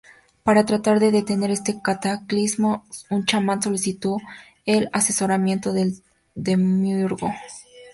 Para tratar de detener este cataclismo un chamán solicitó el asesoramiento del demiurgo.